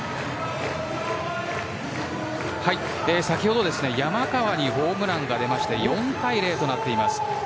先ほど山川にホームランが出まして４対０となっています。